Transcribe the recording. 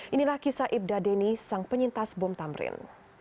inilah kisah ibda deni sang penyintas bom tamrin